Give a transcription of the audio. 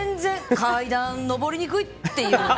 階段上りにくいっていう。